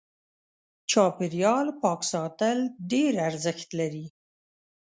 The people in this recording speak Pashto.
چاپېريال پاک ساتل ډېر ارزښت لري.